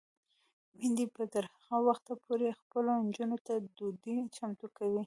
میندې به تر هغه وخته پورې خپلو نجونو ته ډوډۍ چمتو کوي.